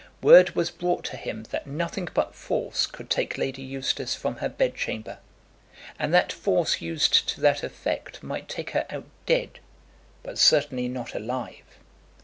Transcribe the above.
Word was brought to him that nothing but force could take Lady Eustace from her bed chamber; and that force used to that effect might take her out dead, but certainly not alive.